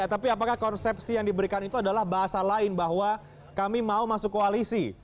tapi apakah konsepsi yang diberikan itu adalah bahasa lain bahwa kami mau masuk koalisi